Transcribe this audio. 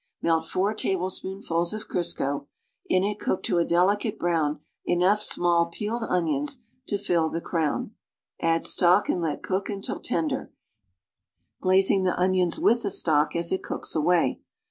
Melt four tablcspoonfuls of Crisco, in it cook to a delicate brown enough small peeled onions to fill the crown; add stock and let cook until tender, glazing the onions with the stock as it cooks away.